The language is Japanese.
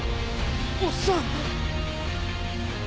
おっさん。